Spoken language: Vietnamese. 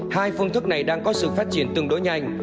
hai phương thức này đang có sự phát triển tương đối nhanh